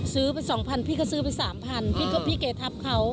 ซื้อไป๒๐๐พี่ก็ซื้อไป๓๐๐พี่ก็พี่แกทับเขา